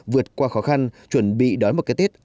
vượt qua khó khăn chuẩn bị đón một cái tết an lành no ấm